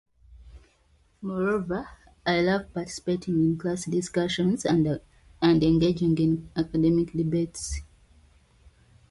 Moreover, I love participating in class discussions and engaging in academic debates.